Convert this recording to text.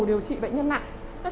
điều trị bệnh nhân nặng